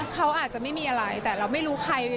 เขาอาจจะไม่มีอะไรแต่เราไม่รู้ใคร